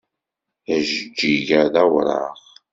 Ajeǧǧig-a d awraɣ.